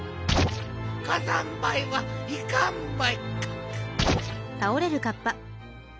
火山灰はいかんばいカクッ。